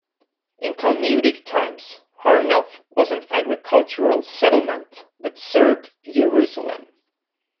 In Talmudic times, Har Nof was an agricultural settlement that served Jerusalem.